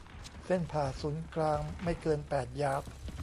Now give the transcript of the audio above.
เส้นผ่าศูนย์กลางไม่เกินแปดยาร์ด